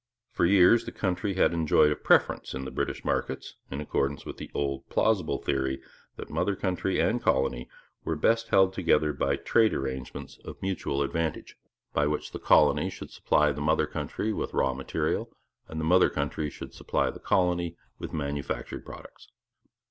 For years the country had 'enjoyed a preference' in the British markets, in accordance with the old, plausible theory that mother country and colony were best held together by trade arrangements of mutual advantage, by which the colony should supply the mother country with raw material and the mother country should supply the colony with manufactured products.